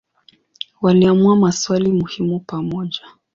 Waliamua maswali muhimu pamoja.